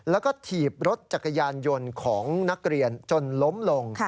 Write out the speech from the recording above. แล้วก็ถีบรถจักรยานยนต์ของนักเรียนจนล้มลง